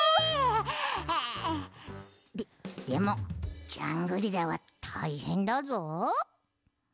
ででもジャングリラはたいへんだぞ。